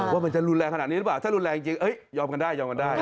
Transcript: ว่ามันจะรุนแรงขนาดนี้หรือเปล่าถ้ารุนแรงจริงยอมกันได้ยอมกันได้